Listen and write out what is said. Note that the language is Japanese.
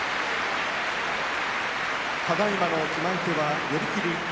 ただいまの決まり手は寄り切り。